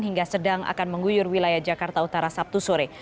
hingga sedang akan mengguyur wilayah jakarta utara sabtu sore